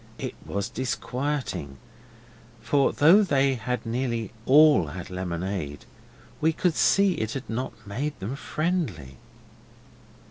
It was disquieting, for though they had nearly all had lemonade we could see it had not made them friendly.